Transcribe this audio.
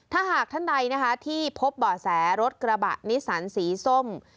ถ้าหากท่านใดนะคะที่พบบ่อแสรถกระบะนิสันสีส้ม